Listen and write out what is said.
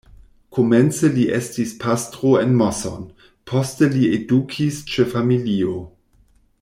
Komence li estis pastro en Moson, poste li edukis ĉe familio.